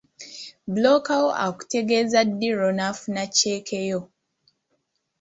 Bbulooka wo akutegeeza ddi lw'onoofuna cceeke yo.